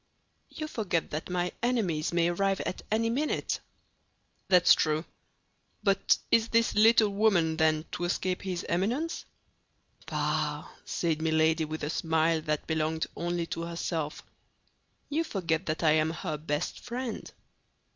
"You forget that my enemies may arrive at any minute." "That's true; but is this little woman, then, to escape his Eminence?" "Bah!" said Milady, with a smile that belonged only to herself; "you forget that I am her best friend."